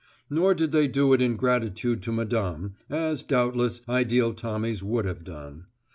Nor did they do it in gratitude to Madame, as, doubtless, ideal Tommies would have done.